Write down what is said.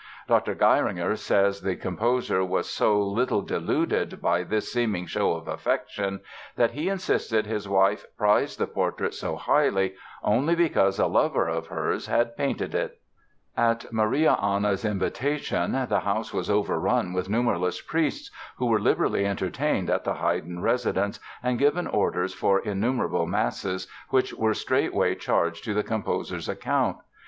Dr. Geiringer says the composer was so little deluded by this seeming show of affection that he insisted his wife prized the portrait so highly only because a lover of hers had painted it. [Illustration: Haydn about 1770, composing at his clavier, in the palace at Eszterháza.] At Maria Anna's invitation the house was overrun with numberless priests, who were liberally entertained at the Haydn residence and given orders for innumerable masses, which were straightway charged to the composer's account.